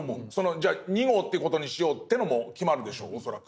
じゃあ２号っていう事にしようってのも決まるでしょ恐らく。